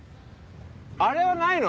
あれはないの？